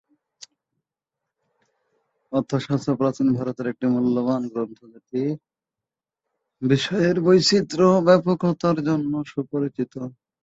অর্থশাস্ত্র প্রাচীন ভারতের একটি মূল্যবান গ্রন্থ যেটি বিষয়ের বৈচিত্র্য ও ব্যাপকতার জন্য সুপরিচিত।